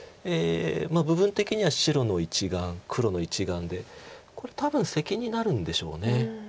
部分的には白の１眼黒の１眼でこれ多分セキになるんでしょう。